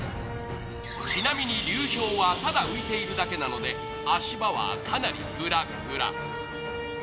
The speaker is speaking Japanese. ちなみに流氷はただ浮いているだけなので足場はかなりぐらっぐら。